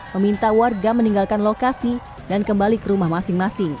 meminta warga meninggalkan lokasi dan kembali ke rumah masing masing